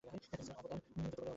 তিনি ছিলেন অবতার।